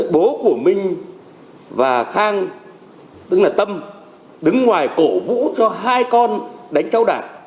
bố của minh và khang tức là tâm đứng ngoài cổ vũ cho hai con đánh cháu đạt